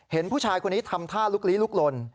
เห็นผู้ชายคนนี้ทำท่าลุกลี้ลุกลน